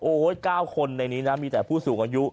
โอ้โห๙คนในนี้นะมีแต่ผู้สูงอายุ